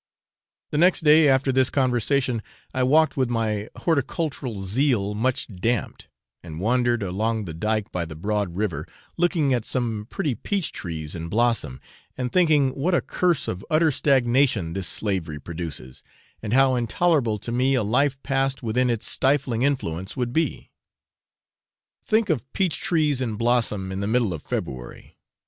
The next day after this conversation, I walked with my horticultural zeal much damped, and wandered along the dyke by the broad river, looking at some pretty peach trees in blossom, and thinking what a curse of utter stagnation this slavery produces, and how intolerable to me a life passed within its stifling influence would be. Think of peach trees in blossom in the middle of February!